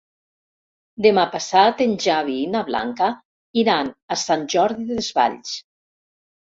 Demà passat en Xavi i na Blanca iran a Sant Jordi Desvalls.